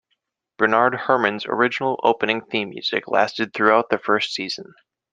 Bernard Herrmann's original opening theme music lasted throughout the first season.